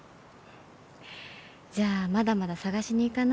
じゃあまだまだ探しに行かないとね。